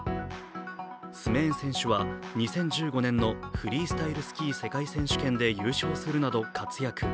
スメーン選手は２０１５年のフリースタイルスキー世界選手権で優勝するなど活躍。